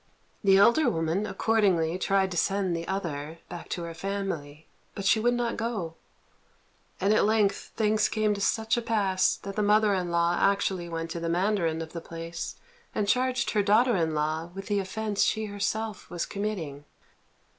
The elder woman accordingly tried to send the other back to her family, but she would not go; and at length things came to such a pass that the mother in law actually went to the mandarin of the place and charged her daughter in law with the offence she herself was committing.